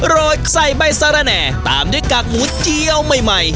โรดใส่ใบสารแหน่ตามด้วยกากหมูเจียวใหม่